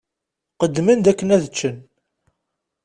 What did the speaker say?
Qqedmen-d akken ad ččen.